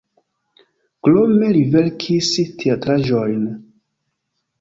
Krome li verkis teatraĵojn.